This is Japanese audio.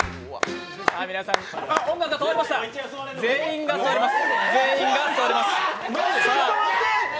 音楽が止まりました、全員が座ります。